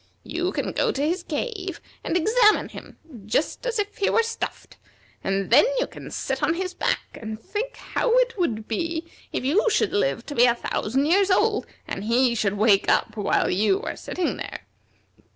You can go to his cave and examine him just as if he were stuffed, and then you can sit on his back and think how it would be if you should live to be a thousand years old, and he should wake up while you are sitting there.